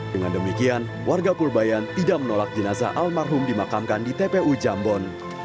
dengan demikian warga purbayan tidak menolak jenazah almarhum dimakamkan di tpu jambon